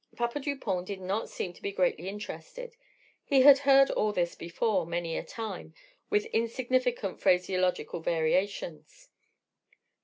Papa Dupont did not seem to be greatly interested. He had heard all this before, many a time, with insignificant phraseological variations.